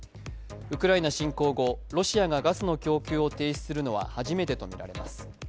ウクライナ侵攻後、ロシアがガスの供給を停止するのは初めてとみられます。